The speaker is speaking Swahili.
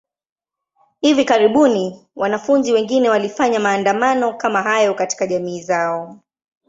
Hivi karibuni, wanafunzi wengine walifanya maandamano kama hayo katika jamii zao.